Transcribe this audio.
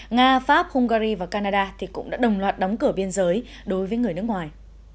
nga pháp hungary và canada cũng đã đồng loạt đóng cửa biên giới đối với người nước ngoài